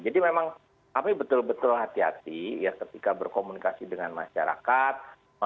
memang kami betul betul hati hati ya ketika berkomunikasi dengan masyarakat